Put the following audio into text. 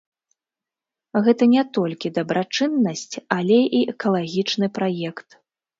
Гэта не толькі дабрачыннасць, але і экалагічны праект.